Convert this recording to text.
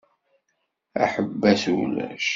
Aḥebbas ulac.